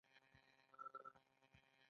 بې نظمي کارونه خرابوي